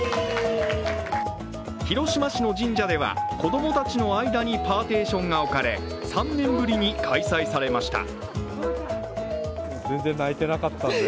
広島市の神社では子供たちの間にパーティションが置かれ３年ぶりに開催されました。